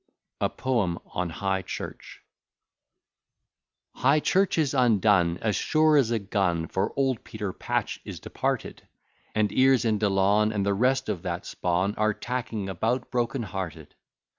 A POEM ON HIGH CHURCH High Church is undone, As sure as a gun, For old Peter Patch is departed; And Eyres and Delaune, And the rest of that spawn, Are tacking about broken hearted.